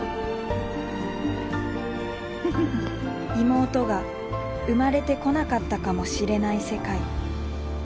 妹が生まれてこなかったかもしれない世界。